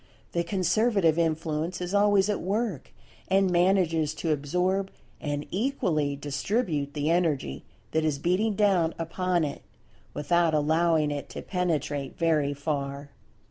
The Conservative influence is always at work, and manages to absorb and equally distribute the Energy that is beating down upon it, without allowing it to penetrate very far.